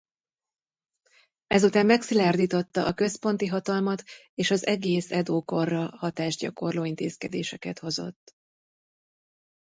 Ezután megszilárdította a központi hatalmat és az egész Edo-korra hatást gyakorló intézkedéseket hozott.